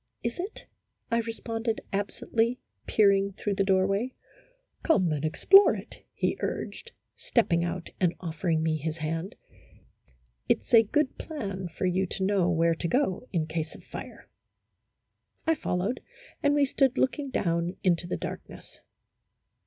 " Is it ?" I responded, absently, peering through the doorway. " Come and explore it," he urged, stepping out and offering me his hand. " It 's a good plan for you to know where to go in case of fire." I followed, and we stood looking down into the darkness.